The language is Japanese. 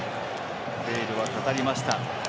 ベイルは語りました。